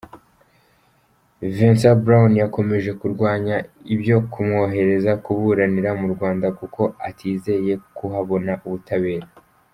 Vincent Brown yakomeje kurwanya ibyo kumwohereza kuburanira mu Rwanda kuko atizeye kuhabona ubutabera.